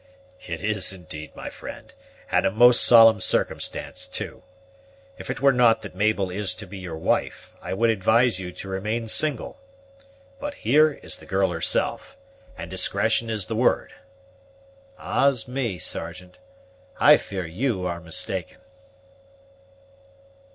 "It is, indeed, my friend, and a most solemn circumstance too. If it were not that Mabel is to be your wife, I would advise you to remain single. But here is the girl herself, and discretion is the word." "Ah's me, Sergeant, I fear you are mistaken!"